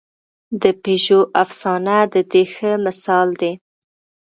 د پېژو افسانه د دې ښه مثال دی.